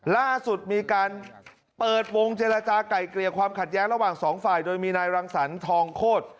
ล่าสุดมีการเปิดวงเจรจาไก่เกลี่ยความขัดแย้งระหว่างสองฝ่ายโดยมีนายรังสรรทองโคตร